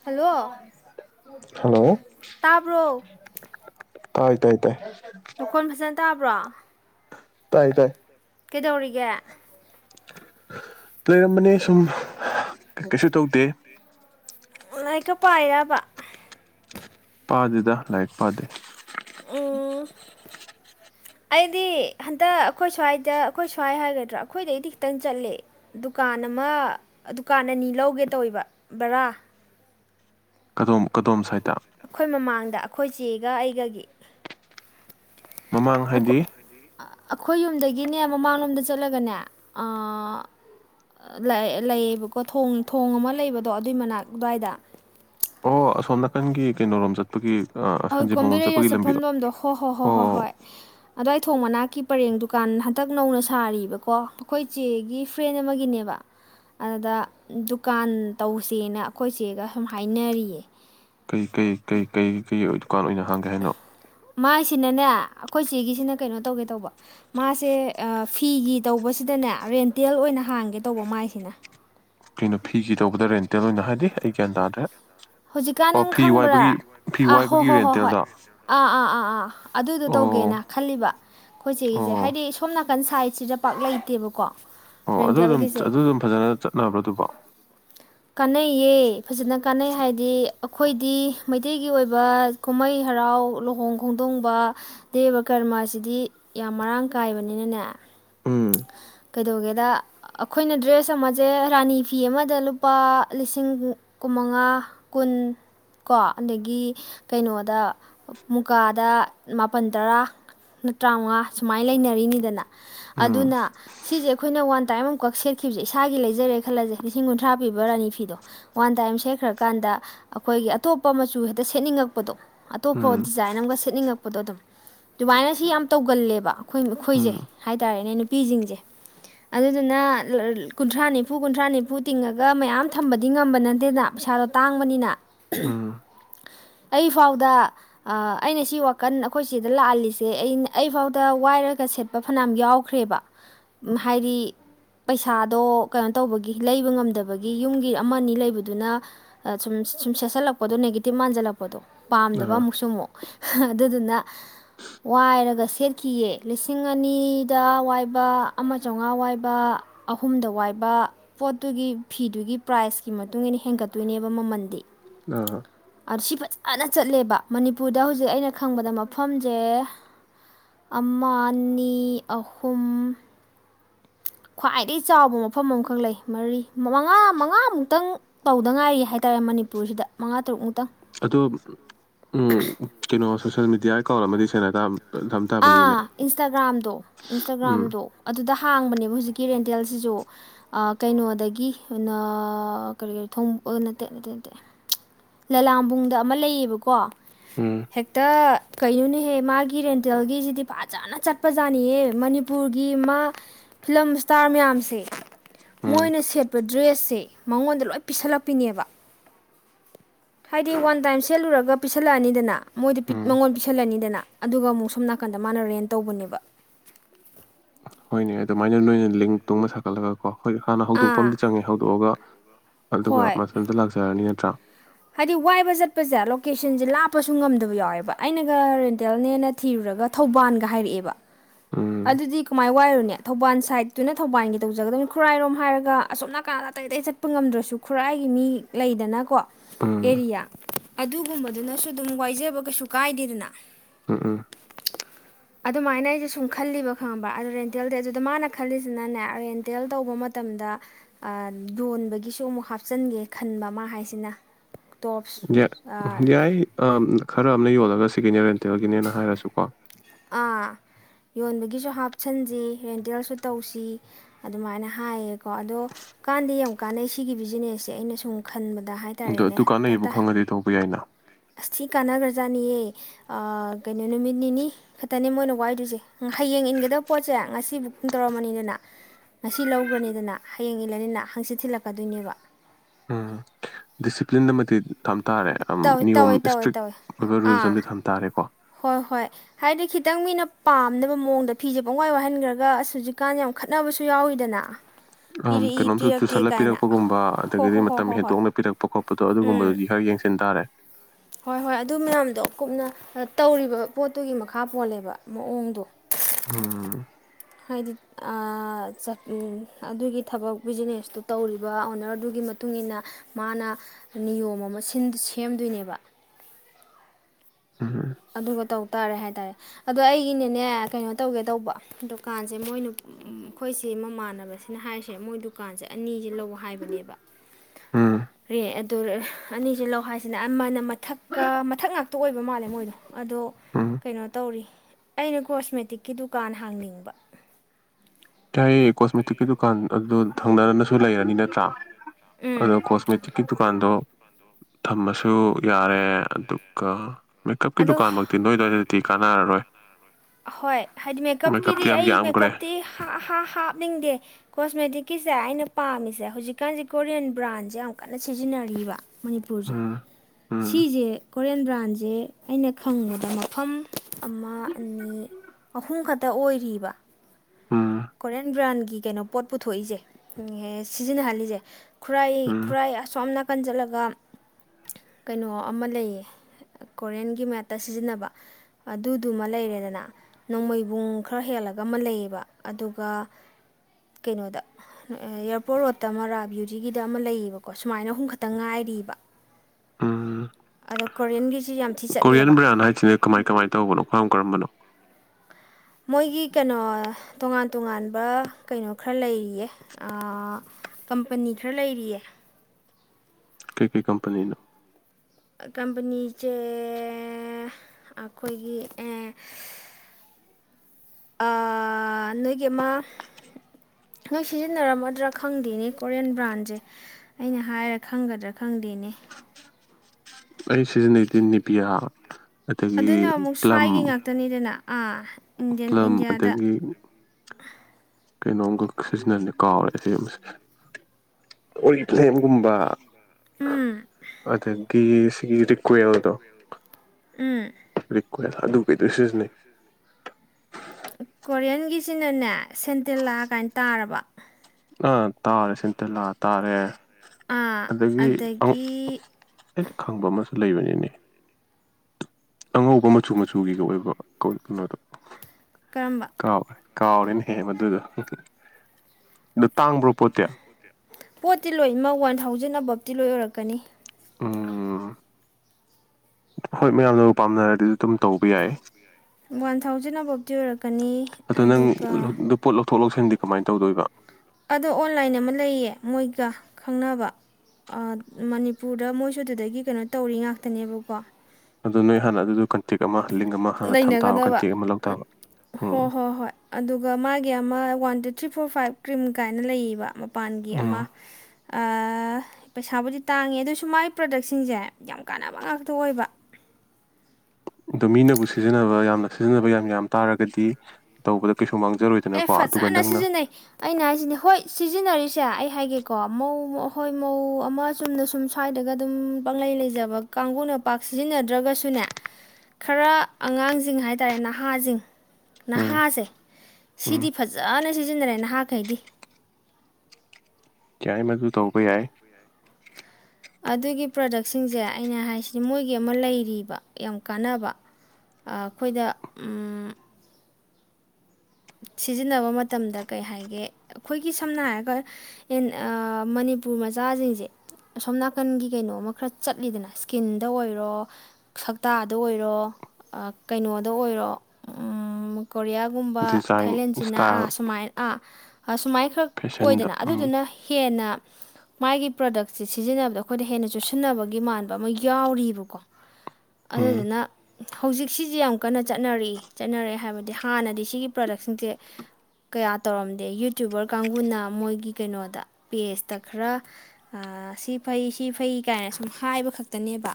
hello hello ꯇꯥꯕ꯭ꯔꯣ ꯇꯥꯏ ꯇꯥꯏ ꯇꯥꯏ ꯃꯈꯣꯜ ꯐꯖꯅ ꯇꯥꯕ꯭ꯔꯣ [inaudible] ꯇꯥꯏ ꯇꯥꯏ ꯀꯩꯗꯧꯔꯤꯒꯦ [unintelligible] ꯂꯩꯔꯝꯕꯅꯤ ꯁꯨꯝ ꯀꯩꯁꯨ ꯇꯧꯗꯦ ꯂꯥꯏꯔꯤꯛꯀ ꯄꯥꯏꯔꯕ ꯄꯥꯗꯦꯗ ꯂꯥꯏꯔꯤꯛ ꯄꯥꯗꯦ ꯎꯝ ꯑꯩꯗꯤ ꯍꯟꯗꯛ ꯑꯩꯈꯣꯏ ꯁ꯭ꯋꯥꯏꯗ ꯑꯩꯈꯣꯏ ꯁ꯭ꯋꯥꯏ ꯍꯥꯏꯒꯗ꯭ꯔꯥ ꯑꯩꯈꯣꯏꯗꯩꯗꯤ ꯈꯤꯇꯪ ꯆꯠꯂꯦ ꯗꯨꯀꯥꯟ ꯑꯃ ꯗꯨꯀꯥꯟ ꯑꯅꯤ ꯂꯧꯒꯦ ꯇꯧꯕ ꯕꯔꯥ ꯀꯗꯣꯝ ꯀꯗꯣꯝ ꯁ꯭ꯋꯥꯗ ꯑꯩꯈꯣꯏ ꯃꯃꯥꯡꯗ ꯑꯩꯈꯣꯏ ꯆꯦꯒ ꯑꯩꯒꯒꯤ ꯃꯃꯥꯡ ꯍꯥꯏꯗꯤ ꯑꯩꯈꯣꯏ ꯌꯨꯝꯗꯒꯤꯅꯦ ꯃꯃꯥꯡꯂꯣꯝꯗ ꯆꯠꯂꯒꯅꯦ ꯂꯩꯌꯦꯕꯀꯣ ꯊꯣꯡ ꯑꯃ ꯂꯩꯕꯗꯣ ꯑꯗꯨꯏ ꯃꯅꯥꯛ ꯑꯗꯨ꯭ꯋꯥꯏꯗ ꯑꯣ ꯑꯁꯣꯝ ꯅꯥꯀꯟꯒꯤ ꯀꯩꯅꯣꯣꯔꯣꯝ ꯆꯠꯄꯒꯤ ꯍꯣꯏ ꯁꯟꯖꯤꯕꯝꯔꯣꯝ ꯀꯣꯝꯕꯤꯔꯩꯔꯥ ꯆꯠꯄꯒꯤ ꯆꯠꯐꯝ ꯂꯝꯕꯤꯔꯣ ꯂꯣꯝꯗꯣ ꯍꯣ ꯍꯣꯏ ꯍꯣꯏ ꯍꯣꯏ ꯑꯣ ꯍꯣꯏ ꯑꯗꯨꯗꯋꯥ ꯑꯩ ꯊꯣꯡ ꯃꯅꯥ ꯑꯥꯛꯀꯤ ꯄꯔꯦꯡ ꯗꯨꯀꯥꯟ ꯍꯟꯇꯛ ꯅꯧꯅ ꯁꯥꯔꯤꯕꯔꯤꯕꯀꯣ ꯑꯩꯈꯣꯏ ꯏꯆꯦꯒꯤ ꯐ꯭ꯔꯦꯟ ꯑꯃꯒꯤꯅꯦꯕ ꯑꯗꯨꯗ ꯗꯨꯀꯥꯟ ꯇꯧꯁꯦꯅ ꯑꯩꯈꯣꯏ ꯏꯆꯦꯒ ꯁꯨꯝ ꯍꯥꯏꯅꯔꯤꯌꯦ ꯀꯩ ꯀꯩ ꯀꯩ ꯀꯩ ꯀꯩ ꯑꯣꯏꯗꯅꯣ ꯗꯨꯀꯥꯟ ꯑꯣꯏꯅ ꯍꯥꯡꯒꯦ ꯍꯥꯏꯅꯣ ꯃꯥꯏꯁꯤꯅꯅꯦ ꯑꯩꯈꯣꯏ ꯆꯦꯒꯤꯁꯤꯅ ꯀꯩꯅꯣ ꯇꯧꯒꯦ ꯇꯧꯕ ꯃꯥꯁꯦ ꯐꯤꯒꯤ ꯇꯧꯕꯁꯤꯗꯅꯦ ꯔꯦꯟꯇꯦꯜ ꯑꯣꯏꯅ ꯍꯥꯡꯒꯦ ꯇꯧꯕ ꯃꯥꯏꯁꯤꯅ ꯀꯩꯅꯣ ꯐꯤꯒꯤ ꯇꯧꯕꯗ ꯔꯦꯟꯇꯦꯜ ꯑꯣꯏꯅ ꯍꯥꯏꯗꯤ ꯑꯩ ꯒ꯭ꯌꯥꯟ ꯇꯥꯗ꯭ꯔꯦ ꯍꯧꯖꯤꯛꯀꯥꯟ ꯑꯣ ꯅꯪ ꯐꯤ ꯈꯪꯕ꯭ꯔꯥ ꯋꯥꯏꯕꯒꯤ ꯐꯤ ꯑꯥ ꯍꯣ ꯋꯥꯏꯕꯒꯤ ꯍꯣ ꯍꯣ ꯍꯣꯏ ꯔꯦꯟꯇꯦꯜꯗ ꯑꯥ ꯑꯥ ꯑꯥ ꯑꯥ ꯑ ꯑꯗꯨꯗꯣ ꯑꯣ ꯇꯧꯒꯦꯅ ꯈꯜꯂꯤꯕ ꯑꯩꯈꯣꯏ ꯑꯣ ꯆꯦꯒꯤꯁꯦ ꯍꯥꯏꯗꯤ ꯁꯣꯝ ꯅꯥ ꯀꯟ ꯁꯥꯏꯠꯁꯤꯗ ꯄꯥꯛ ꯂꯩꯇꯦꯕꯀꯣ ꯑꯣ ꯑꯗꯨ ꯑꯗꯨꯝ ꯔꯦꯟꯇꯦꯜꯒꯤꯁꯦ ꯑꯗꯨ ꯑꯗꯨꯝ ꯐꯖꯅ ꯆꯠꯅꯕ꯭ꯔꯥ ꯑꯗꯨꯕ ꯀꯅꯌꯦꯦ ꯐꯖꯅ ꯀꯥꯟꯅꯩ ꯍꯥꯏꯗꯤ ꯑꯩꯈꯣꯏꯗꯤ ꯃꯩꯇꯩꯒꯤ ꯑꯣꯏꯕ ꯀꯨꯝꯍꯩ ꯍꯔꯥꯎ ꯂꯨꯍꯣꯡ ꯈꯣꯡꯗꯣꯡꯕ ꯗꯦꯕ ꯀꯔꯃꯁꯤꯗꯤ ꯌꯥꯝ ꯃꯔꯥꯡ ꯀꯥꯏꯕꯅꯤꯅꯅꯦ ꯎꯝ ꯀꯩꯗꯧꯒꯦꯗ ꯑꯩꯈꯣꯏꯅ ꯗ꯭ꯔꯦꯁ ꯑꯃꯁꯦ ꯔꯥꯅꯤ ꯐꯤ ꯑꯃꯗ ꯂꯨꯄꯥ ꯂꯤꯁꯤꯡ ꯀꯨꯟꯃꯉꯥ ꯀꯨꯟ ꯀꯣ ꯑꯗꯒꯤ ꯀꯩꯅꯣꯗ ꯃꯨꯀꯥꯗ ꯃꯥꯄꯜ ꯇꯔꯥ ꯅ ꯇꯔꯥꯃꯉꯥ ꯁꯨꯃꯥꯏꯅ ꯂꯩꯅꯔꯤꯅꯤꯗꯅ ꯎꯝ ꯑꯗꯨꯅ ꯁꯤꯁꯦ ꯑꯩꯈꯣꯏꯅ ꯋꯥꯟ ꯇꯥꯏꯝ ꯀꯥꯛ ꯁꯦꯠꯈꯤꯕꯁꯦ ꯏꯁꯥꯒꯤ ꯂꯩꯖꯔꯦ ꯈꯜꯂꯁꯦ ꯂꯤꯁꯤꯡ ꯀꯨꯟ ꯀꯨꯊ꯭ꯔꯥ ꯄꯤꯕ ꯔꯥꯅꯤ ꯐꯤꯗꯣ ꯋꯥꯟ ꯇꯥꯏꯝ ꯁꯦꯠꯈ꯭ꯔꯀꯥꯟꯗ ꯑꯩꯈꯣꯏꯒꯤ ꯑꯇꯣꯞꯄ ꯃꯆꯨ ꯍꯦꯛꯇ ꯁꯦꯠꯅꯤꯡꯉꯛꯄꯗꯣ ꯑꯇꯣꯞꯄ ꯎꯝ ꯗꯤꯖꯥꯏꯟ ꯑꯃꯒ ꯁꯦꯠꯅꯤꯡꯉꯛꯄ ꯄꯣꯣ ꯑꯗꯨꯝ ꯑꯗꯨꯃꯥꯏꯅ ꯁꯤ ꯌꯥꯝ ꯇꯧꯒꯜꯂꯦꯕ ꯑꯩꯈꯣꯏ ꯑꯩꯈꯣꯏꯁꯦ ꯎꯝ ꯍꯥꯏꯇꯥꯔꯦꯅꯦ ꯅꯨꯄꯤꯁꯤꯡꯁꯦ ꯑꯗꯨꯗꯨꯅ ꯀꯨꯟꯊ꯭ꯔꯥ ꯅꯤꯐꯨ ꯀꯨꯟꯊ꯭ꯔꯥ ꯅꯤꯐꯨ ꯇꯤꯡꯉꯒ ꯃꯌꯥꯝ ꯊꯝꯕꯗꯤ ꯉꯝꯕ ꯅꯠꯇꯦꯅ ꯄꯩꯁꯥꯗꯣ ꯇꯥꯡꯕꯅꯤꯅ ꯎꯝ ꯑꯩꯐꯥꯎꯗ ꯑꯩꯅ ꯁꯤ ꯋꯥꯀꯟ ꯑꯩꯈꯣꯏ ꯁꯤꯗ ꯂꯥꯛꯍꯜꯂꯤꯁꯦ ꯑꯩꯅ ꯑꯩꯐꯥꯎꯗ ꯋꯥꯏꯔꯒ ꯁꯦꯠꯄ ꯐꯅꯌꯥꯝ ꯌꯥꯎꯈ꯭ꯔꯦꯕ ꯍꯥꯏꯗꯤ ꯄꯩꯁꯥꯗꯣ ꯀꯩꯅꯣ ꯇꯧꯕꯒꯤ ꯂꯩꯕ ꯉꯝꯗꯕꯒꯤ ꯌꯨꯝꯒꯤ ꯑꯃ ꯑ ꯂꯩꯕꯗꯨꯅ ꯁꯨꯝ ꯁꯨꯝ ꯁꯦꯠꯆꯜꯂꯛꯄꯗꯣ ꯅꯦꯒꯦꯇꯤꯞ ꯃꯥꯟꯖꯜꯂꯛꯄꯗꯣ ꯄꯥꯝꯗꯕ ꯑꯥ ꯑꯃꯨꯛꯁꯨ ꯑꯃꯨꯛ ꯑꯗꯨꯗꯨꯅ ꯋꯥꯏꯔꯒ ꯁꯦꯠꯈꯤꯌꯦ ꯂꯤꯁꯤꯡ ꯑꯅꯤꯗ ꯋꯥꯏꯕ ꯑꯃ ꯆꯥꯝꯃꯉꯥ ꯋꯥꯏꯕ ꯑꯍꯨꯝꯗ ꯋꯥꯏꯕ ꯄꯣꯠꯇꯨꯒꯤ ꯐꯤꯗꯨꯒꯤ ꯄ꯭ꯔꯥꯏꯁꯀꯤ ꯃꯇꯨꯡ ꯏꯟꯅ ꯍꯦꯟꯒꯠꯇꯣꯏꯅꯦꯕ ꯃꯃꯟꯗꯤ ꯑ [unintelligible] ꯁꯤ ꯐꯖꯅ ꯆꯠꯂꯦꯕ ꯃꯅꯤꯄꯨꯔꯗ ꯍꯧꯖꯤꯛ ꯑꯩꯅ ꯈꯪꯕꯗ ꯃꯐꯝꯁꯦ ꯑꯃ ꯑꯅꯤ ꯑꯍꯨꯝ ꯈ꯭ꯋꯥꯏꯗꯒꯤ ꯆꯥꯎꯕ ꯃꯐꯝ ꯑꯃꯈꯛ ꯂꯩ ꯃꯔꯤ ꯃꯉꯥ ꯃꯉꯥꯃꯨꯛꯇꯪ ꯇꯧꯗ ꯉꯥꯏꯔꯤ ꯍꯥꯏꯇꯥꯔꯦ ꯃꯅꯤꯄꯨꯔꯁꯤꯗ ꯃꯉꯥ ꯇꯔꯨꯛꯃꯨꯛꯇꯪ ꯑꯗꯣ ꯀꯩꯅꯣ ꯁꯣꯁꯦꯜ ꯃꯦꯗꯤꯌꯥ ꯀꯥꯎꯜ ꯑꯃꯗꯤ ꯁꯦꯅ ꯑꯥ ꯏꯟꯁꯇꯥꯒ꯭ꯔꯥꯝꯗꯣ ꯎꯝ ꯏꯟꯁꯇꯥꯒ꯭ꯔꯥꯝꯗꯣ ꯑꯗꯨꯗ ꯍꯥꯡꯕꯅꯦꯕ ꯍꯧꯖꯤꯛꯀꯤ ꯔꯦꯟ ꯍꯣꯇꯦꯜꯁꯤꯁꯨ ꯀꯩꯅꯣꯗꯒꯤ ꯑꯣꯏꯅ ꯀꯔꯤ ꯀꯔꯤ ꯊꯣꯡ ꯅꯠꯇꯦ ꯅꯠꯇꯦ ꯅꯠꯇꯦ ꯂꯂꯥꯕꯨꯡꯗ ꯑꯃ ꯂꯩꯌꯦꯕꯀꯣ ꯎꯝ ꯍꯦꯛꯇ ꯀꯩꯅꯣꯅꯦꯍꯦ ꯃꯥꯒꯤ ꯔꯦꯟꯇꯦꯜꯒꯤꯁꯤꯗꯤ ꯐꯖꯅ ꯆꯠꯄꯖꯥꯠꯅꯤꯍꯦ ꯃꯅꯤꯄꯨꯔꯒꯤ ꯃꯥ ꯐꯤꯂꯝ ꯏꯁꯇꯥꯔ ꯃꯌꯥꯝꯁꯦ ꯎꯝ ꯃꯣꯏꯅ ꯁꯦꯠꯄ ꯗ꯭ꯔꯦꯁꯁꯦ ꯃꯉꯣꯟꯗ ꯂꯣꯏ ꯄꯤꯁꯜꯂꯛꯄꯤꯅꯦꯕ ꯍꯥꯏꯗꯤ ꯋꯥꯟ ꯇꯥꯏꯝ ꯁꯦꯠꯂꯨꯔꯒ ꯄꯤꯁꯜꯂꯛꯑꯅꯤꯗꯅ ꯃꯣꯏꯗ ꯎꯝ ꯃꯉꯣꯟ ꯄꯤꯁꯜꯂꯅꯤꯗꯅ ꯑꯗꯨꯒ ꯑꯃꯨꯛ ꯁꯣꯝ ꯅꯥꯀꯟꯗ ꯃꯥꯅ ꯔꯦꯟ ꯇꯧꯕꯅꯦꯕ ꯍꯣꯏꯅꯦ ꯑꯗꯨꯃꯥꯏꯅ ꯅꯣꯏꯅ ꯂꯤꯡ ꯇꯣꯡꯕ ꯁꯥꯒꯠꯂꯒ ꯀꯣ ꯍꯣꯏ ꯍꯥꯟꯅ ꯍꯧꯗꯣꯛꯄ ꯑꯥ ꯑꯗ ꯆꯪꯉꯦ ꯍꯧꯗꯣꯛꯑꯒ ꯑꯗꯨꯒ ꯍꯣꯏ ꯃꯊꯟꯇ ꯂꯥꯛꯆꯔꯅꯤ ꯑ ꯍꯥꯏꯗꯤ ꯋꯥꯏꯕ ꯆꯠꯄꯁꯦ ꯂꯣꯀꯦꯁꯟꯁꯦ ꯂꯥꯞꯄꯁꯨ ꯉꯝꯗꯕ ꯌꯥꯎꯋꯦꯕ ꯑꯩꯅꯒ ꯔꯦꯟꯇꯦꯜꯅꯦꯅ ꯊꯤꯔꯨꯔꯒ ꯊꯧꯕꯥꯜꯒ ꯍꯥꯏꯔꯛꯑꯦꯕ ꯎꯝ ꯑꯗꯨꯗꯤ ꯀꯃꯥꯏ ꯋꯥꯏꯔꯨꯅꯦ ꯊꯧꯕꯥꯜ ꯁꯥꯏꯗꯠꯇꯨꯅ ꯊꯧꯕꯥꯜꯒꯤ ꯇꯧꯖꯒꯗꯕꯅꯤ ꯈꯨꯔꯥꯏꯔꯣꯝ ꯍꯥꯏꯔꯒ ꯑꯁꯣꯝ ꯅꯥꯀꯥꯟꯗ ꯑꯇꯩ ꯑꯇꯩ ꯆꯠꯄ ꯉꯝꯗ꯭ꯔꯁꯨ ꯈꯨꯔꯥꯏꯒꯤ ꯃꯤ ꯂꯩꯗꯅꯀꯣ ꯎꯝ ꯑꯦꯔꯤꯌꯥ ꯑꯗꯨꯒꯨꯝꯕꯗꯨꯅꯁꯨ ꯑꯗꯨꯝ ꯋꯥꯏꯖꯕ ꯀꯩꯁꯨ ꯀꯥꯏꯗꯦꯗꯅ ꯎꯝ ꯑꯗꯨꯃꯥꯏꯅ ꯑꯩꯁꯦ ꯁꯨꯡ ꯈꯜꯂꯤꯕ ꯈꯪꯕ ꯑꯗꯣ ꯔꯦꯟꯇꯦꯜꯗꯤ ꯑꯗꯨꯗ ꯃꯥꯅ ꯈꯜꯂꯤꯁꯤꯅꯅꯦ ꯔꯦꯟꯇꯦꯜ ꯇꯧꯕ ꯃꯇꯝꯗ ꯌꯣꯟꯕꯒꯤꯁꯨ ꯑꯃꯨꯛ ꯍꯥꯞꯆꯤꯟꯒꯦ ꯈꯟꯕ ꯃꯥ ꯍꯥꯏꯁꯤꯅ ꯌꯥ ꯇꯣꯞꯁ ꯌꯥꯏ ꯑ ꯈꯔ ꯑꯝ ꯅ ꯌꯗ ꯃ ꯁꯤꯒꯒꯤꯅꯤ ꯍꯥꯏ ꯍꯣꯇꯦꯜꯒꯤꯅꯦꯅ ꯍꯥꯏꯔꯁꯨꯀꯣ ꯍꯥꯞꯆꯤꯟꯁꯤ ꯔꯦꯟꯇꯦꯜꯁꯨ ꯇꯧꯁꯤ ꯑꯗꯨꯃꯥꯏꯅ ꯍꯥꯏꯌꯦꯀꯣ ꯑꯗꯣ ꯀꯥꯟꯅꯗ ꯌꯥꯝ ꯀꯥꯟꯅꯩ ꯁꯤꯒꯤ ꯕꯤꯖꯤꯅꯦꯁꯁꯦ ꯑꯩꯅ ꯁꯨꯝ ꯈꯟꯕꯗ ꯑꯗꯣ ꯍꯥꯏꯇꯥꯔꯦꯅꯦ ꯑꯗꯨ ꯀꯥꯟꯅꯩꯕꯨ ꯀꯗꯥ ꯈꯪꯉꯗꯤ ꯇꯧꯕ ꯌꯥꯏꯅ ꯑꯁ ꯊꯤ ꯀꯥꯟꯅꯈ꯭ꯔꯖꯥꯠꯅꯤꯌꯦ ꯀꯩꯅꯣ ꯅꯨꯃꯤꯠ ꯅꯤꯅꯤ ꯈꯛꯇꯅꯦ ꯃꯣꯏꯅ ꯋꯥꯏꯗꯣꯏꯁꯦ ꯍꯌꯦꯡ ꯏꯟꯒꯗꯕ ꯄꯣꯠꯁꯦ ꯉꯁꯤ ꯕꯨꯛꯀꯤꯡ ꯇꯧꯔꯝꯃꯅꯤꯗꯅ ꯉꯁꯤ ꯂꯧꯈ꯭ꯔꯅꯤꯗꯅ ꯍꯌꯦꯡ ꯏꯜꯂꯅꯤꯅ ꯍꯪꯆꯤꯠ ꯊꯤꯜꯂꯛꯀꯗꯣꯏꯅꯦꯕ ꯎꯝ ꯗꯤꯁꯤꯄ꯭ꯂꯤꯟꯗ ꯃ ꯊꯝ ꯇꯥꯔꯦ ꯇꯧꯋꯦ ꯅꯤꯌꯣꯝ ꯇꯧꯋꯦ ꯇꯧꯋꯦ ꯏꯁꯇ꯭ꯔꯤꯛ ꯇꯧꯋꯦ ꯑꯣꯏꯕ ꯔꯨꯜꯁ ꯑꯥ ꯑꯃꯗꯤ ꯊꯝ ꯇꯥꯔꯦꯀꯣ ꯍꯣꯏ ꯍꯣꯏ ꯍꯥꯏꯗꯤ ꯈꯤꯇꯪ ꯃꯤꯅ ꯄꯥꯝꯅꯕ ꯃꯑꯣꯡꯗ ꯐꯤꯁꯦ ꯄꯪꯋꯥꯏ ꯋꯥꯏꯍꯟꯈ꯭ꯔꯒ ꯑꯁ ꯍꯧꯖꯤꯛꯀꯥꯟ ꯌꯥꯝ ꯈꯠꯅꯕꯁꯨ ꯌꯥꯎꯋꯤꯗꯅ ꯀꯩꯅꯣꯝꯁꯨ ꯆꯨꯁꯜꯂ ꯄꯤꯔꯛꯄꯒꯨꯝꯕ ꯍꯣ ꯑꯗꯒꯤꯗꯤ ꯍꯣ ꯍꯣ ꯃꯇꯝ ꯍꯣ ꯍꯣꯏ ꯍꯦꯟꯇꯣꯛꯅ ꯄꯤꯔꯛꯄ ꯈꯣꯠꯄ ꯄꯣꯠꯇꯣ ꯎꯝ ꯑꯗꯨꯒꯨꯝꯕꯗꯨꯗꯤ ꯈꯔ ꯌꯦꯡꯁꯤꯟ ꯇꯥꯔꯦ ꯍꯣꯏ ꯍꯣꯏ ꯑꯗꯨ ꯃꯌꯥꯝꯗꯣ ꯀꯨꯞꯅ ꯇꯧꯔꯤꯕ ꯄꯣꯠꯇꯨꯒꯤ ꯃꯈꯥ ꯄꯣꯜꯂꯦꯕ ꯃꯑꯣꯡꯗꯣ ꯑꯝ ꯍꯥꯏꯗꯤ ꯑꯗꯨꯒꯤ ꯊꯕꯛ ꯕꯤꯖꯤꯅꯦꯁꯇꯨ ꯇꯧꯔꯤꯕ ꯑꯣꯅꯔꯗꯨꯒꯤ ꯃꯇꯨꯡ ꯏ ꯃꯇꯨꯡꯏꯟꯅ ꯃꯥꯅ ꯅꯤꯌꯣꯝ ꯑꯃ ꯁꯦꯝꯗꯣꯏꯅꯦꯕ ꯎꯝ ꯑꯗꯨꯒ ꯇꯧ ꯇꯥꯔꯦ ꯍꯥꯏꯇꯥꯔꯦ ꯑꯗꯣ ꯑꯩꯒꯤꯅꯦꯅꯦ ꯀꯩꯅꯣ ꯇꯧꯒꯦ ꯇꯧꯕ ꯗꯨꯀꯥꯟꯁꯦ ꯃꯣꯏꯅ ꯑꯩꯈꯣꯏꯁꯤꯦ ꯃꯃꯥꯟꯅꯕꯁꯤꯅ ꯍꯥꯏꯔꯤꯁꯦ ꯃꯣꯏ ꯗꯨꯀꯥꯟꯁꯦ ꯑꯅꯤꯁꯦ ꯂꯧ ꯍꯥꯏꯕꯅꯦꯕ ꯎꯝ ꯔꯦ ꯑꯗꯨ ꯑꯅꯤꯁꯦ ꯂꯧ ꯍꯥꯏꯁꯤꯅ ꯑꯃꯅ ꯃꯊꯛꯀ ꯃꯊꯛ ꯉꯥꯛꯇ ꯑꯣꯏꯕ ꯃꯥꯜꯂꯦ ꯃꯣꯏꯗꯣ ꯑꯗꯣ ꯎꯝ ꯀꯩꯅꯣ ꯇꯧꯔꯤ ꯑꯩꯅ ꯀꯣꯁꯃꯦꯇꯤꯛꯀꯤ ꯗꯨꯀꯥꯟ ꯍꯥꯡꯅꯤꯡꯕ ꯎꯝ ꯀꯏꯌꯦ ꯀꯣꯁꯃꯦꯇꯤꯛꯀꯤ ꯗꯨꯀꯥꯟ ꯑꯗꯨ ꯊꯪꯅꯔꯅꯁꯨ ꯂꯩꯔꯅꯤ ꯅꯠꯇ꯭ꯔꯥ ꯎꯝ ꯑꯗꯣ ꯀꯁꯃꯦꯇꯤꯛꯀꯤ ꯗꯨꯀꯥꯟꯗꯣ ꯊꯝꯃꯁꯨ ꯌꯥꯔꯦ ꯑꯗꯨꯒ ꯃ ꯑꯗꯣ ꯀꯞꯀꯤꯗꯨꯥꯟ ꯃꯪ ꯊꯤ ꯅꯣꯏꯗꯅ ꯊꯤ ꯀꯥꯟꯅꯔꯔꯣꯏ ꯍꯣꯏ ꯍꯥꯏꯗꯤ ꯃꯦꯀꯞꯀꯤꯗꯤ ꯃꯦꯀꯞꯇꯤ ꯌꯥꯝ ꯑꯩ ꯌꯥꯝꯈ꯭ꯔꯦ ꯃꯦꯀꯞꯇꯤ ꯍꯥ ꯍꯥ ꯍꯥꯞꯅꯤꯡꯗꯦ ꯀꯣꯁꯃꯦꯇꯤꯛꯀꯤꯁꯦ ꯑꯩꯅ ꯄꯥꯝꯃꯤꯁꯦ ꯍꯧꯖꯤꯛꯀꯥꯟꯁꯦ ꯀꯣꯔꯤꯌꯟ ꯕ꯭ꯔꯥꯟꯁꯦ ꯌꯥꯝ ꯀꯟꯅ ꯁꯤꯖꯤꯟꯅꯔꯤꯕ ꯃꯅꯤꯄꯨꯔꯁꯦ ꯎꯝ ꯎꯝ ꯁꯤꯁꯦ ꯍꯣꯔꯦꯟ ꯕ꯭ꯔꯥꯟꯁꯦ ꯑꯩꯅ ꯈꯪꯕꯗ ꯃꯐꯝ ꯑꯃ ꯑꯅꯤ ꯑꯍꯨꯝ ꯈꯛꯇ ꯑꯣꯏꯔꯤꯕ ꯎꯝ ꯀ ꯀꯣꯔꯦꯟ ꯭ꯔꯥꯟꯒꯤ ꯒꯤ ꯀꯩꯅꯣ ꯄꯣꯠ ꯄꯨꯊꯣꯛꯏꯁꯦ ꯁꯤꯖꯤꯟꯅꯍꯜꯂꯤꯁꯦ ꯈꯨꯔꯥꯏ ꯎꯝ ꯈꯨꯔꯥꯏ ꯑꯁꯣꯝꯅ ꯏꯀꯟ ꯆꯠꯂꯒ ꯀꯩꯅꯣ ꯑꯃ ꯂꯩꯌꯦ ꯀꯣꯔꯤꯌꯟꯒꯤ ꯃꯌꯥꯠꯇ ꯁꯤꯖꯤꯟꯅꯕ ꯑꯗꯨ ꯑꯗꯨꯃ ꯂꯩꯔꯦꯗꯅ ꯅꯣꯡꯃꯩ ꯕꯨꯡ ꯈꯔ ꯍꯦꯜꯂꯒ ꯑꯃ ꯂꯩꯌꯦꯕ ꯑꯗꯨꯒ ꯀꯩꯅꯣꯗ ꯑꯦꯌꯥꯔꯄꯣꯔꯠ ꯔꯣꯠꯇ ꯑꯃꯔꯥꯕꯌꯨꯖꯤꯤꯒꯤꯗ ꯑꯃ ꯂꯩꯌꯦꯕꯀꯣ ꯁꯨꯃꯥꯏꯅ ꯑꯍꯨꯝ ꯈꯛꯇꯪ ꯉꯥꯏꯔꯤꯕ ꯎꯝ ꯑꯗꯣ ꯀꯣꯔꯤꯌꯟꯒꯤꯁꯨ ꯌꯥꯝ ꯊꯤ ꯀꯣꯔꯤꯌꯟ ꯆꯠꯂꯦꯕ ꯕ꯭ꯔꯥꯟ ꯍꯥꯏꯁꯤꯅ ꯀꯃꯥꯏ ꯀꯃꯥꯏ ꯇꯧꯕꯅꯣ ꯀꯔꯝ ꯀꯔꯝꯕꯅꯣ ꯃꯣꯏꯒꯤ ꯀꯩꯅꯣ ꯇꯣꯉꯥꯟ ꯇꯣꯉꯥꯟꯕ ꯀꯩꯅꯣ ꯈꯔ ꯂꯩꯔꯤꯌꯦ ꯀꯝꯄꯅꯤ ꯈꯔ ꯂꯩꯔꯤꯌꯦ ꯀꯩ ꯀꯔꯤ ꯀꯝꯄꯅꯤꯅ ꯀꯝꯄꯅꯤ ꯆ ꯑꯩꯈꯣꯏꯒꯤ ꯅꯣꯏꯒꯤ ꯑꯃ ꯅꯣꯏ ꯁꯤꯖꯤꯟꯅꯔꯝꯃꯗ꯭ꯔꯥ ꯈꯪꯗꯦꯅꯦ ꯀꯣꯔꯤꯌꯟ ꯕ꯭ꯔꯥꯟꯁꯦ ꯑꯩꯅ ꯍꯥꯏꯔ ꯈꯪꯒꯗ꯭ꯔꯥ ꯈꯪꯗꯦꯅꯦ ꯑꯩ ꯁꯤꯖꯤꯅꯗꯤ ꯅꯨꯅꯤꯄꯤꯌꯥ ꯑꯗꯨꯅ ꯑꯃꯨꯛ ꯁ꯭ꯋꯥꯏꯒꯤ ꯉꯥꯛꯇꯅꯤꯗꯅ ꯑꯥ ꯏꯟꯗꯤꯌꯟ ꯄꯂꯝ ꯏꯟꯗꯤꯌꯥꯗ ꯑꯗꯒꯤ ꯀꯩꯅꯣꯝꯈꯛ ꯁꯤꯖꯤꯟꯅꯅꯤ ꯀꯥꯎꯔꯦ ꯁꯤꯦꯔꯤ ꯐꯂꯦꯝꯒꯨꯝꯕ ꯎꯝ ꯑꯗꯨ ꯒꯤ ꯁꯤꯒꯤ ꯔꯤꯀ꯭ꯋꯦꯜꯗꯣ ꯎꯝ ꯍꯣꯏ ꯑꯗꯨ ꯀꯩꯗꯣꯏ ꯁꯤꯖꯤꯟꯅꯩ ꯀꯣꯔꯤꯌꯟꯒꯤꯁꯤꯅꯅꯦ ꯁꯦꯟꯗꯦꯜ ꯂꯥꯛꯑ ꯀꯥꯏꯅ ꯇꯥꯔꯕ ꯑꯥ ꯇꯥꯔꯦ ꯁꯤꯟꯇꯂꯥ ꯇꯥꯔꯦ ꯑꯥ ꯑꯗꯒꯤ ꯑꯗꯒꯤ ꯑꯩꯅ ꯈꯪꯕ ꯑꯃꯁ ꯂꯩꯕꯅꯤꯅꯤ ꯑꯉꯧꯕ ꯃꯆꯨ ꯃꯆꯨꯒꯤꯒ ꯑꯣꯏꯕ ꯀꯧ ꯀꯩꯅꯣꯗꯣ ꯀꯔꯝꯕ ꯀꯥꯎꯔꯤꯅꯦꯍꯦ ꯃꯗꯨꯗ ꯄꯣꯠꯇꯤ ꯂꯣꯏꯃꯛ ꯋꯥꯟ ꯊꯥꯎꯖꯟ ꯍꯧꯖꯤꯟꯅ ꯞꯇꯤ ꯂꯣꯏ ꯑꯣꯏꯔꯛꯀꯅꯤ ꯎꯝ ꯍꯣꯏ ꯃꯌꯥꯝꯅ ꯄꯥꯝꯅꯔꯗꯤꯗꯤ ꯑꯗꯨꯝ ꯇꯧꯕ ꯌꯥꯏ ꯋꯥꯟ ꯊꯥꯎꯖꯟ ꯑꯐꯕꯇꯤ ꯑꯣꯏꯔꯛꯀꯅꯤ ꯑꯗꯨꯒ ꯂꯧ ꯊꯣꯛꯊꯣꯛ ꯂꯧꯁꯤꯁꯤꯡꯗꯤ ꯀꯃꯥꯏꯅ ꯇꯧꯗꯣꯏꯕ ꯑꯗꯣ ꯑꯣꯟꯂꯥꯏꯟ ꯑꯃ ꯂꯩꯌꯦ ꯃꯣꯏꯒ ꯈꯪꯅꯕ ꯃꯅꯤꯄꯨꯔꯗ ꯃꯣꯏꯁꯨ ꯑꯗꯨꯗꯒꯤ ꯀꯩꯅꯣ ꯇꯧꯔꯤ ꯉꯥꯛꯇꯅꯦꯕꯀꯣ ꯑꯗꯨꯣ ꯅꯣꯏ ꯍꯥꯟꯅ ꯑꯗꯨꯗꯣ ꯀꯟꯇꯤꯛ ꯑꯃ ꯂꯤꯡ ꯑꯃ ꯍꯥꯟꯅ ꯊꯝ ꯇꯥꯕ ꯂꯩꯅꯒꯗꯕ ꯀꯟꯇꯦꯛ ꯑꯃ ꯂꯧ ꯎꯝ ꯇꯕ ꯎꯝ ꯍꯣꯏ ꯍꯣꯏ ꯍꯣꯏ ꯑꯗꯨꯒ ꯃꯥꯒꯤ ꯑꯃ one two three four five cream ꯀꯥꯏꯅ ꯂꯩꯌꯦꯕ ꯃꯄꯥꯟꯒꯤ ꯎꯝ ꯑꯃ ꯄꯩꯁꯥꯕꯨꯗꯤ ꯇꯥꯡꯉꯦ ꯑꯗꯨꯁꯨ ꯃꯒꯤ ꯄ꯭ꯔꯗꯛꯁꯤꯡꯁꯦ ꯌꯥꯝ ꯀꯥꯟꯅꯕ ꯉꯥꯛꯇ ꯑꯣꯏꯕ ꯑꯗꯣ ꯃꯤꯅꯕꯨ ꯁꯤꯖꯤꯟꯅꯕ ꯌꯥꯝꯅ ꯁꯤꯖꯤꯟꯅꯕ ꯌꯥꯝ ꯌꯥꯝ ꯇꯥꯔꯒꯗꯤ ꯇꯧꯕꯗ ꯀꯩ ꯑꯦ ꯐꯖꯅ ꯁꯤꯖꯤꯟꯅꯩ ꯑꯩꯅ ꯍꯥꯏꯁꯤꯅꯦ ꯍꯣꯏ ꯁꯤꯖꯤꯟꯅꯔꯤꯁꯤ ꯁꯦ ꯑꯩ ꯍꯥꯏꯒꯦꯀꯣ ꯃꯧ ꯍꯣꯏ ꯃꯧ ꯑꯃ ꯆꯨꯝꯅ ꯁꯨꯝ ꯁ꯭ꯋꯥꯏꯗꯒ ꯑꯗꯨꯝ ꯄꯪꯂꯩ ꯂꯩꯖꯕ ꯀꯥꯡꯕꯨꯅꯄꯥꯛ ꯁꯤꯖꯤꯟꯅꯗ꯭ꯔꯒꯁꯨꯅꯦ ꯈꯔ ꯑꯉꯥꯡꯁꯤꯡ ꯍꯥꯏꯇꯥꯔꯦ ꯅꯍꯥꯁꯤꯡ ꯎꯝ ꯅꯍꯥꯁꯦ ꯎꯝ ꯁꯤꯗꯤ ꯐꯖꯅ ꯁꯤꯖꯤꯟꯅꯔꯦ ꯅꯍꯥꯈꯗꯤ ꯀꯌꯥꯏ ꯃꯗꯨ ꯇꯧꯕ ꯌꯥꯏ ꯑꯗꯨꯒꯤ ꯄ꯭ꯔꯗꯛꯁꯤꯡꯁꯦ ꯑꯩꯅ ꯍꯥꯏꯁꯤꯗꯤ ꯃꯣꯏꯒꯤ ꯑꯃ ꯂꯩꯔꯤꯕ ꯌꯥꯝ ꯀꯥꯟꯅꯕ ꯑꯩꯈꯣꯏꯗ ꯁꯤꯖꯤꯟꯅꯕ ꯃꯇꯝꯗ ꯀꯩ ꯍꯥꯏꯒꯦ ꯑꯩꯈꯣꯏꯒꯤ ꯁꯝꯅ ꯍꯥꯏꯔꯒ ꯃꯅꯤꯄꯨꯔ ꯃꯆꯥꯁꯤꯡꯁꯦ ꯑꯁꯣꯝ ꯅꯥꯀꯟꯒꯤ ꯀꯩꯅꯣꯝꯃ ꯈꯔ ꯆꯠꯂꯤꯗꯅ ꯏꯁꯀꯤꯟꯗ ꯑꯣꯏꯔꯣ ꯁꯛꯇꯇꯥꯗ ꯑꯣꯏꯔꯣ ꯀꯩꯅꯣꯗ ꯑꯣꯏꯔꯣ ꯀꯣꯔꯤꯌꯥꯒꯨꯝꯕ ꯗꯤꯖꯥꯏꯟ ꯊꯥꯏꯂꯦꯟꯁꯤꯅ ꯏꯁꯇꯥꯏꯜ ꯑꯥ ꯁꯨꯃꯥꯏ ꯑꯥ ꯁꯨꯃꯥꯏꯅ ꯈꯔ ꯐꯦꯁꯟꯗ ꯑꯣꯏꯗꯅ ꯎꯝ ꯑꯗꯨꯗꯨꯅ ꯍꯦꯟꯅ ꯃꯥꯒꯤ ꯄ꯭ꯔꯗꯛꯁꯦ ꯁꯤꯖꯤꯟꯅꯕꯗ ꯑꯩꯈꯣꯏꯗ ꯍꯦꯟꯅ ꯆꯨꯁꯤꯟꯅꯕꯒꯤ ꯃꯥꯟꯕ ꯑꯃ ꯌꯥꯎꯔꯤꯕꯀꯣ ꯎꯝ ꯑꯗꯨꯗꯨꯅ ꯍꯧꯖꯤꯛ ꯁꯤꯁꯦ ꯌꯥꯝ ꯀꯟꯅ ꯆꯠꯅꯔꯛꯏ ꯆꯠꯅꯔꯛꯑꯦ ꯍꯥꯏꯕꯗꯤ ꯍꯥꯟꯅꯗꯤ ꯁꯤꯒꯤ ꯄ꯭ꯔꯗꯛꯁꯤꯡꯁꯦ ꯀꯌꯥ ꯇꯧꯔꯝꯗꯦ ꯌꯨꯇ꯭ꯌꯨꯕꯔ ꯀꯥꯡꯕꯨꯅ ꯃꯣꯏꯒꯤ ꯀꯩꯅꯣꯗ ꯄꯦꯖꯇ ꯈꯔ ꯁꯤ ꯐꯩ ꯁꯤ ꯐꯩ ꯀꯥꯏꯅ ꯁꯨꯝ ꯍꯥꯏꯕ ꯈꯛꯇꯅꯦꯕ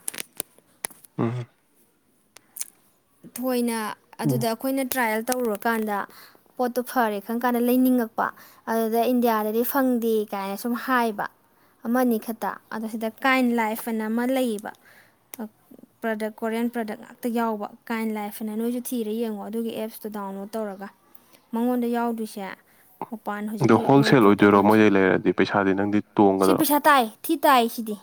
ꯎꯝ ꯊꯣꯏꯅ ꯎꯝ ꯑꯗꯨꯗ ꯑꯩꯈꯣꯏꯅ ꯇ꯭ꯔꯥꯏꯌꯦꯜ ꯇꯧꯔꯨꯔꯀꯥꯟꯗ ꯄꯣꯠꯇꯨ ꯐꯔꯦ ꯈꯪ ꯀꯥꯟꯗ ꯂꯩꯅꯤꯡꯉꯛꯄ ꯑꯗꯨꯗ ꯏꯟꯗꯤꯌꯥꯗꯗꯤ ꯐꯪꯗꯦ ꯀꯥꯏꯅ ꯁꯨꯝ ꯍꯥꯏꯕ ꯑꯃꯅꯤ ꯈꯛꯇ ꯑꯗꯨ ꯁꯤꯗ ꯀꯥꯏꯟ ꯂꯥꯏꯐ ꯑꯅ ꯑꯃ ꯂꯩꯌꯦꯕ ꯄ꯭ꯔꯗꯛ ꯀꯣꯔꯤꯌꯥꯟ ꯄ꯭ꯔꯗꯛ ꯉꯥꯛꯇ ꯌꯥꯎꯕ ꯀꯥꯏꯟ ꯂꯥꯏꯐꯅ ꯅꯣꯏꯁꯨ ꯊꯤꯔ ꯌꯦꯡꯉꯣ ꯑꯗꯨꯒꯤ ꯑꯦꯞꯁꯇꯣ ꯗꯥꯎꯟꯂꯣꯗ ꯇꯧꯔꯒ ꯃꯉꯣꯟꯗ ꯌꯥꯎꯗ꯭ꯣꯏꯁꯦ ꯃꯄꯥꯟ ꯑꯗꯣ ꯍꯧꯖꯤꯛꯀꯤ ꯃꯣꯏ ꯍꯣꯜꯁꯦꯜ ꯄ꯭ꯔꯗꯛ ꯑꯣꯏꯗꯣꯏꯔꯣ ꯃꯁꯦ ꯃꯣꯏꯗꯩ ꯂꯩꯔꯗꯤ ꯄꯩꯁꯥꯗꯤ ꯅꯪꯗꯤ ꯁꯤ ꯇꯣꯡꯒꯗ꯭ꯔꯣ ꯄꯩꯁꯥ ꯇꯥꯏ ꯊꯤ ꯇꯥꯏ ꯁꯤꯗꯤ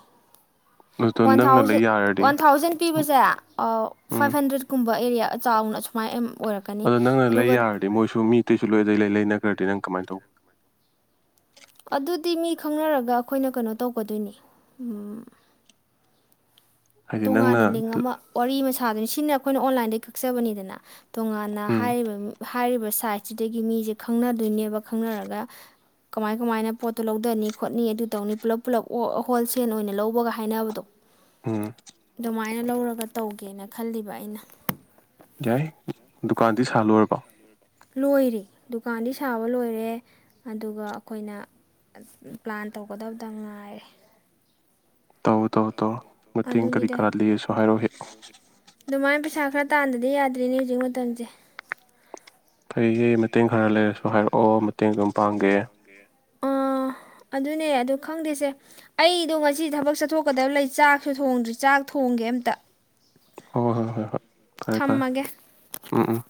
ꯑꯗꯣ ꯋꯥꯟ ꯅꯪꯅ ꯂꯩ ꯊꯥꯎꯖꯟ ꯌꯥꯔꯗꯤ ꯋꯥꯟ ꯊꯥꯎꯖꯟ ꯄꯤꯕꯁꯦ ꯎꯝ ꯐꯥꯏꯚ ꯍꯟꯗ꯭ꯔꯦꯠ ꯁꯨꯝꯕ ꯑꯦꯔꯤꯌꯥ ꯆꯥꯎꯅ ꯁꯨꯃꯥꯏꯅ ꯑꯗꯣ ꯅꯪꯅ ꯂꯩ ꯑꯗꯨꯒ ꯌꯥꯔꯗꯤ ꯃꯣꯏꯁꯨ ꯃꯤ ꯌꯥꯔꯗꯤ ꯇꯩꯁꯨ ꯂꯣꯏꯗꯩ ꯂꯩ ꯅꯒ꯭ꯔꯗꯤ ꯅꯪ ꯀꯃꯥꯏꯅ ꯇꯧꯕ ꯑꯗꯨꯗꯤ ꯃꯤ ꯈꯪꯅꯔꯒ ꯑꯩꯈꯣꯏꯅ ꯀꯩꯅꯣ ꯇꯧꯒꯗꯣꯏꯅꯤ ꯍꯥꯏꯗꯤ ꯅꯪꯅ ꯇꯣꯉꯥꯟꯅ ꯂꯤꯡ ꯑꯃ ꯋꯥꯔꯤ ꯑꯃ ꯁ ꯊꯥꯗꯨꯅꯤ ꯁꯤꯅ ꯑꯩꯈꯣꯏꯅ ꯑꯣꯟꯂꯥꯏꯟꯗꯩ ꯀꯛꯆꯕꯅꯤꯗꯅ ꯇꯣꯉꯥꯟꯅ ꯎꯝ ꯍꯥꯏꯔꯤꯕ ꯍꯥꯏꯔꯤꯕ ꯁꯥꯏꯠꯁꯤꯗꯒꯤ ꯃꯤꯁꯦ ꯈꯪꯅꯗꯣꯏꯅꯦꯕ ꯈꯪꯅꯔꯒ ꯀꯃꯥꯏ ꯀꯃꯥꯏꯅ ꯄꯣꯠꯇꯣ ꯂꯧꯊꯅꯤ ꯈꯣꯠꯅꯤ ꯑꯗꯨ ꯇꯧꯅꯤ ꯄꯨꯂꯞ ꯄꯨꯂꯞ ꯍꯣꯜꯁꯦꯜ ꯑꯣꯏꯅ ꯂꯧꯕꯒ ꯍꯥꯏꯅꯕꯗꯣ ꯎꯝ ꯑꯗꯨꯃꯥꯏꯅ ꯂꯧꯔꯒ ꯇꯧꯒꯦꯅ ꯈꯜꯂꯤꯕ ꯑꯩꯅ ꯌꯥꯏ ꯗꯨꯀꯥꯟꯗꯤ ꯁꯥꯜꯂꯨꯔꯕ ꯂꯣꯏꯔꯦ ꯗꯨꯀꯥꯟꯗꯤ ꯁꯥꯕ ꯂꯣꯏꯔꯦ ꯑꯗꯨꯒ ꯑꯩꯈꯣꯏꯅ ꯄ꯭ꯂꯥꯟ ꯇꯧꯒꯗꯕꯗ ꯉꯥꯏꯔꯦ ꯇꯧ ꯇꯧ ꯇꯧ ꯃꯇꯦꯡ ꯀꯔꯤ ꯑꯗꯨꯅꯤꯗ ꯀꯔꯥ ꯂꯩꯔꯁꯨ ꯍꯥꯏꯔꯛꯑꯣ ꯍꯦꯛ ꯑꯗꯨꯃꯥꯏꯅ ꯄꯩꯁꯥ ꯈꯔ ꯇꯥꯟꯗꯗꯤ ꯌꯥꯗ꯭ꯔꯤꯅꯦ ꯍꯧꯖꯤꯛ ꯃꯇꯝꯁꯦ ꯐꯩꯌꯦ ꯃꯇꯦꯡ ꯈꯔ ꯂꯩꯔꯁꯨ ꯍꯥꯏꯔꯛꯑꯣ ꯃꯇꯦꯡ ꯑꯗꯨꯝ ꯄꯥꯡꯒꯦ ꯑꯥ ꯑꯗꯨꯅꯦ ꯑꯩꯗꯣ ꯈꯪꯗꯦꯁꯦ ꯑꯩꯗꯣ ꯉꯁꯤꯗꯤ ꯊꯕꯛ ꯆꯠꯊꯣꯛꯀꯗꯕ ꯂꯩ ꯆꯥꯛꯁꯨ ꯊꯣꯡꯗ꯭ꯔꯤ ꯆꯥꯛ ꯊꯣꯡꯒꯦ ꯑꯝꯇ ꯍꯣꯏ ꯍꯣꯏ ꯍꯣꯏ ꯍꯣꯏ ꯐꯔꯦ ꯐꯔꯦ ꯊꯝꯃꯒꯦ ꯎꯝ ꯎꯝ